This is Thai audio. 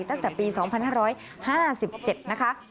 ตั้งแต่ปี๒๕๕๗นะคะ